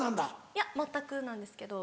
いや全くなんですけど。